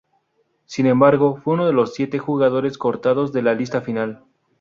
Sin embargo, fue uno de los siete jugadores cortados de la lista final.